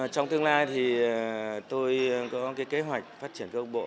trong tương lai thì tôi có cái kế hoạch phát triển câu lạc bộ